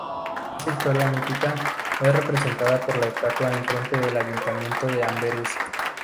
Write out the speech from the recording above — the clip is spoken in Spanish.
Esta historia mítica es representada por la estatua en frente del Ayuntamiento de Amberes.